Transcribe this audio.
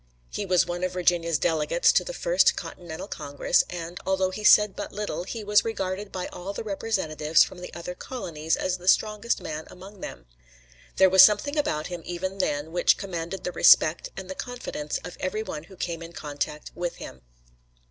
He was one of Virginia's delegates to the first Continental Congress, and, although he said but little, he was regarded by all the representatives from the other colonies as the strongest man among them. There was something about him even then which commanded the respect and the confidence of every one who came in contact with him.